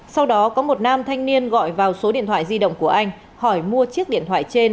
sau đó có một nam thanh niên gọi vào số điện thoại di động của anh hỏi mua chiếc điện thoại trên